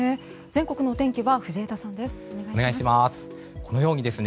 全国のお天気は藤枝さんです。